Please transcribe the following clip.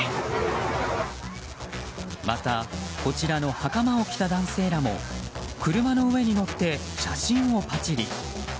また、こちらの袴を着た男性らも車の上に乗って写真をパチリ。